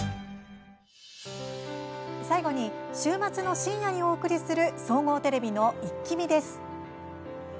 最後に、週末の深夜にお送りする総合テレビの「イッキ見！」です。